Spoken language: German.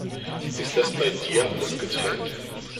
Ist das bei dir alles getrennt?